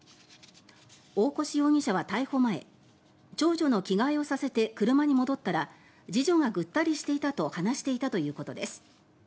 大越容疑者は逮捕前長女の着替えをさせて車に戻ったら次女がぐったりしていたと話していたということです。